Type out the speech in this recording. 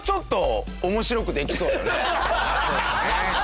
そうですね。